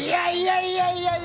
いやいやいや！